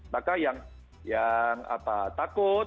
maka yang takut